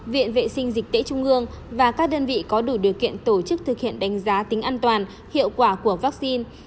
viện vệ sinh dịch tễ trung ương và các đơn vị có đủ điều kiện tổ chức thực hiện đánh giá tính an toàn hiệu quả của vaccine